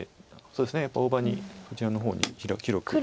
そうですねやっぱり大場にこちらの方に広く構えて。